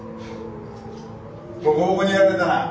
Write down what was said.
ボコボコにやられたな。